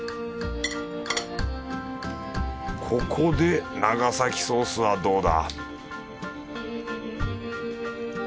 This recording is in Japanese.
ここで長崎ソースはどうだ？